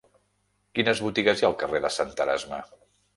Quines botigues hi ha al carrer de Sant Erasme?